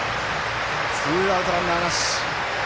ツーアウト、ランナーなし。